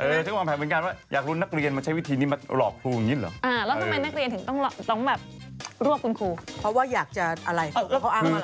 เออฉันก็วางแผนเหมือนกันว่าอยากรู้นักเรียนมันใช้วิธีนี้มาหลอกครูอย่างนี้เหรอ